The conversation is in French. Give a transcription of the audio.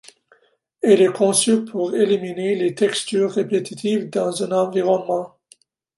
Elle est conçue pour éliminer les textures répétitives dans un environnement.